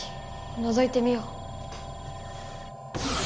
のぞいてみよう。